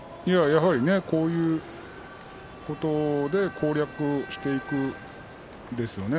やはりね、こういうことで攻略していくんですね。